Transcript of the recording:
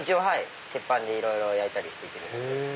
鉄板でいろいろ焼いたりできるので。